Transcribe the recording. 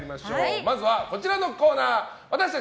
まずはこちらのコーナー私たち